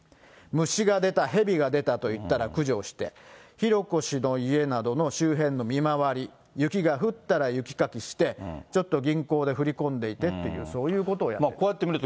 虫が出た、ヘビが出たといったら駆除をして、浩子氏の家などの周辺の見回り、雪が降ったら雪かきして、ちょっと銀行で振り込んでいてと、そういうことをやっている。